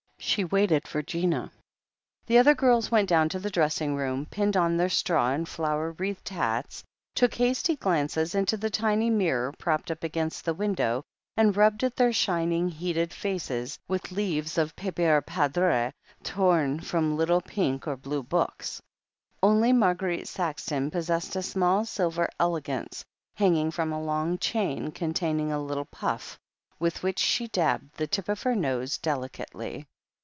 She waited for Gina. The other girls went down to the dressing room, pinned on their straw and flower wreathed hats, took hasty glances into the tiny mirror propped up against the window, and rubbed at their shining, heated faces with leaves of papier poudre, torn from little pink or blue books. Only Marguerite Saxon possessed a small silver elegance, hanging from a long chain, containing a little puff, with which she dabbed the tip of her nose delicately.